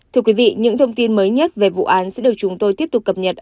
thưa quý vị những thông tin mới nhất về vụ án sẽ được chúng tôi tiếp tục cập nhật